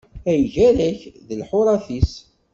Ay gar-ak d lḥuṛat-is!